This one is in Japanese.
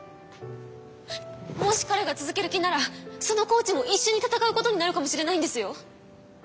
もし彼が続ける気ならそのコーチも一緒に戦うことになるかもしれないんですよ。